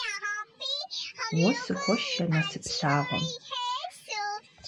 Уэ сыхуэшэ насып лъагъуэм.